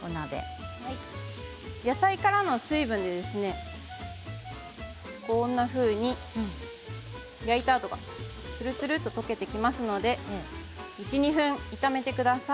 野菜からの水分でこんなふうに焼いたあとがつるつると溶けていきますので１、２分炒めてください。